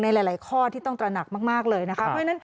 ในหลายข้อที่ต้องตระหนักมากเลยนะคะ